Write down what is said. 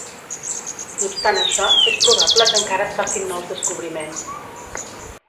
No obstant això, és probable que encara es facin nous descobriments.